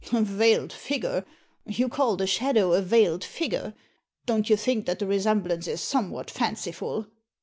"Veiled figure! You call the shadow a veiled figure? Don't you think that the resemblance is somewhat fanciful?"